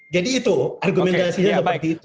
jadi itu argumentasinya seperti itu